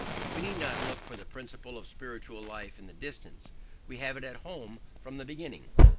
We need not look for the principle of spiritual life in the distance: we have it at home from the beginning.